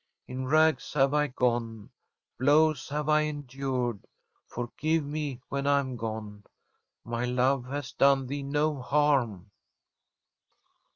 In rags have I gone ; blows have I endured. For give me when I am gone. My love has done thee no harm.'